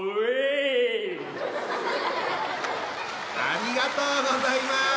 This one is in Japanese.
ありがとうございます。